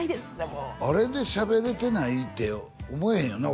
もうあれでしゃべれてないって思えへんよな